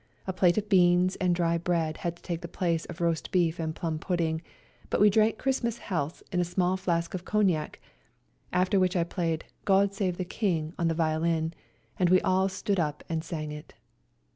A plate of beans and dry bread had to take the place of roast beef and plum pudding, but we drank Christmas healths in a small flask of cognac, after which I played " God Save the King " on the violin, and we all stood up and sang it.